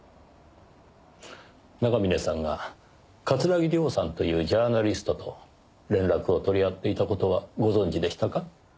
長峰さんが桂木涼さんというジャーナリストと連絡を取り合っていた事はご存じでしたか？